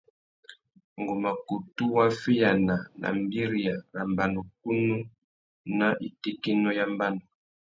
Ngu mà kutu waffeyāna nà mbîriya râ mbanukunú nà itékénô ya mbanu.